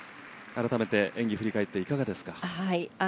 改めて演技を振り返っていかがですか。